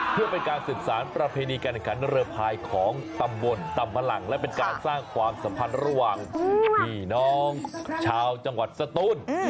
เพื่อเป็นการสืบสารประเพณีการแข่งขันเรือพายของตำบลตำพลังและเป็นการสร้างความสัมพันธ์ระหว่างพี่น้องชาวจังหวัดสตูน